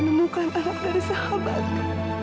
aku menemukan kota dari sahabatmu